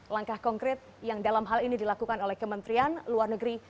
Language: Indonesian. langkah konkret yang dalam hal ini dilakukan oleh kementerian luar negeri